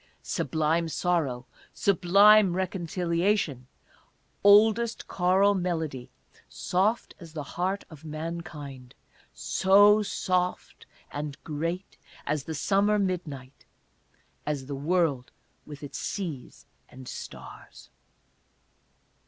... Sublime sorrow, sublime reconciliation, oldest choral melody, soft as the heart of mankind, so soft and great, as the summer midnight, as the world with its seas and stars.